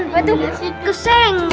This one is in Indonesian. lepas itu kesenggol